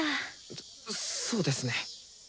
そそうですね。